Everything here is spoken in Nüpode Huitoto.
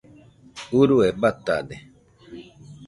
urue batade